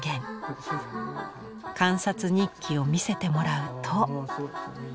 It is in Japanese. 観察日記を見せてもらうと。